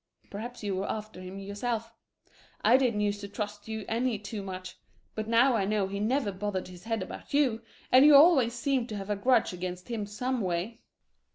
Perhaps you were after him yourself. I didn't use to trust you any too much. But now I know he never bothered his head about you, and you always seemed to have a grudge against him someway.